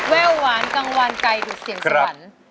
เว้วหวานกังวลไก่กว่าเสียงสวรรค์